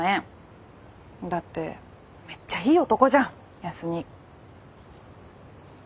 だってめっちゃいい男じゃん康にぃ。